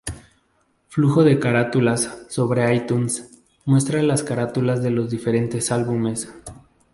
Flujo de carátulas, sobre iTunes, muestra las carátulas de los diferentes álbumes.